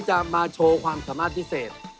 จะมาโชว์ความสามารถพิเศษ